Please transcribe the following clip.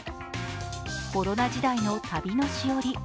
コロナ時代の旅のしおり